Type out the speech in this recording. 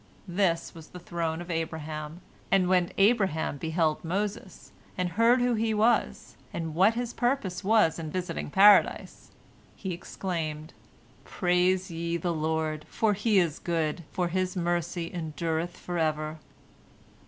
This was the throne of Abraham, and when Abraham beheld Moses, and heard who he was, and what his purpose was in visiting Paradise, he exclaimed, "Praise ye the Lord, for He is good, for His mercy endureth forever."